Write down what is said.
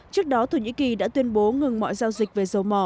trước đó thổ nhĩ kỳ đã tuyên bố ngừng mọi giao dịch về dầu mỏ